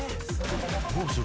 どうする？